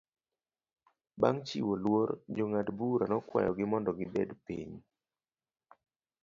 Bang' chiwo luor, jang'ad bura nokwayo gi mondo gibed piny.